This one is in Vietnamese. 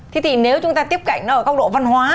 thế thì nếu chúng ta tiếp cạnh nó ở góc độ văn hóa